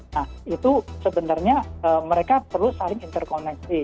nah itu sebenarnya mereka perlu saling interkoneksi